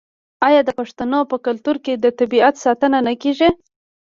آیا د پښتنو په کلتور کې د طبیعت ساتنه نه کیږي؟